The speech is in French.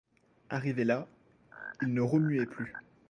Arrivé là, il ne remuait plus.